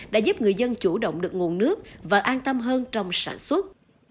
đã giúp người dân chủ động được nguồn nước và an tâm hơn trong sản xuất